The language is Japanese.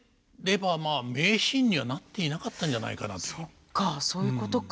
そっかそういうことか。